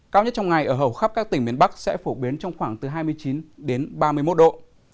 cao nhất trong ngày ở hầu khắp các tỉnh miền bắc sẽ phổ biến trong khoảng từ hai mươi chín đến ba mươi một độ